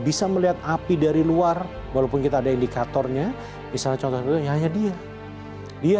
bisa melihat api dari luar walaupun kita ada indikatornya misalnya contohnya hanya dia dia